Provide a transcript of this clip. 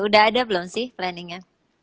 udah ada belum sih planningnya